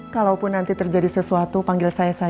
kalaupun nanti terjadi sesuatu panggil saya